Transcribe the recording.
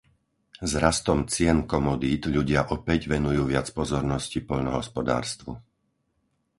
S rastom cien komodít ľudia opäť venujú viac pozornosti poľnohospodárstvu.